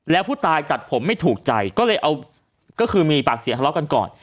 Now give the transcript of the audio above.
แล้วผู้ตายตัดผมไม่ถูกใจก็เลยเอาก็คือมีปากเสียงทะเลาะกันก่อน